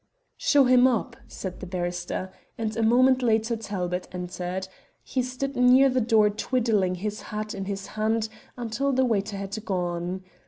"Show him up," said the barrister, and a moment later Talbot entered. He stood near the door twiddling his hat in his hand until the waiter had gone.